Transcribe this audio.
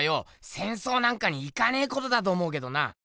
戦争なんかに行かねぇことだと思うけどな。